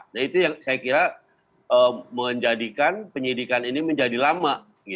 nah itu yang saya kira menjadikan penyidikan ini menjadi lama